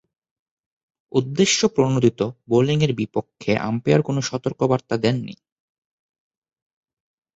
উদ্দেশ্যপ্রণোদিত বোলিংয়ের বিপক্ষে আম্পায়ার কোন সতর্কবার্তা দেননি।